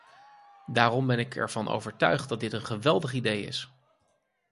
Daarom ben ik ervan overtuigd dat dit een geweldig idee is.